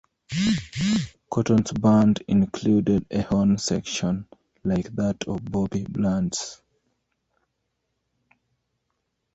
Cotton's band included a horn section, like that of Bobby Bland's.